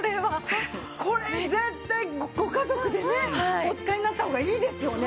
えっこれ絶対ご家族でねお使いになった方がいいですよね。